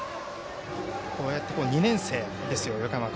こうやって２年生ですよ、横山君。